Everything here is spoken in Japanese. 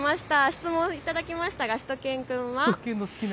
質問いただきましたがしゅと犬くんは？